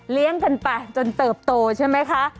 กันไปจนเติบโตใช่ไหมคะ